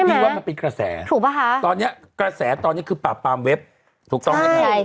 พี่ว่ามันเป็นกระแสถูกป่ะคะตอนนี้กระแสตอนนี้คือปราบปรามเว็บถูกต้องไหมคะ